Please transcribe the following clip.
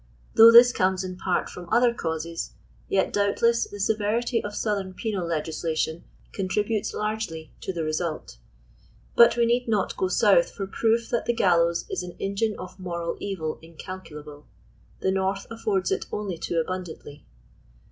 Though this comes in part from other causes, yet doubtless the severity of southern penal legislation contributes largely to the result. But we need not go south for proof that the gallows is an engine of moral evil incalculable. The North affords it only too abundantly.